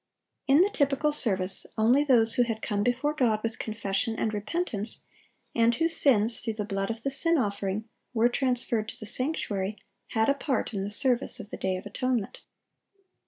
In the typical service, only those who had come before God with confession and repentance, and whose sins, through the blood of the sin offering, were transferred to the sanctuary, had a part in the service of the day of atonement.